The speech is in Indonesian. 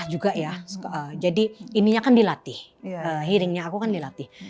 iya dan mungkin gini karena aku sekolah juga ya jadi ininya kan dilatih hearingnya aku kan dilatih